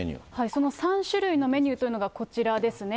その３種類のメニューというのがこちらですね。